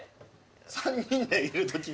３人でいるときに。